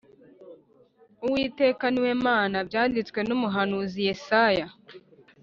Uwiteka niwe mana byanditswe n’ umuhanuzi Yesaya